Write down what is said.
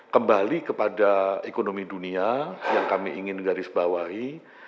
kembali kepada ekonomi dunia yang kami ingin garis bawahi